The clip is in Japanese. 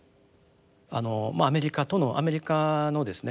あのアメリカとのアメリカのですね